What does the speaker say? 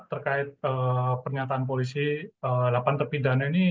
terkait pernyataan polisi delapan terpidana ini